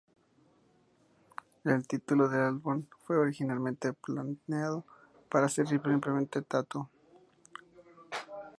El título del álbum fue originalmente planeado para ser simplemente "Tattoo".